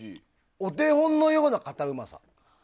お手本のようなカタうまさ。